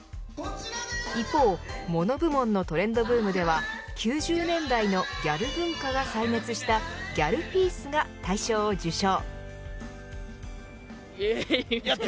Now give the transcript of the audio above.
一方、モノ部門のトレンドブームでは９０年代のギャル文化が再熱したギャルピースが大賞を受賞。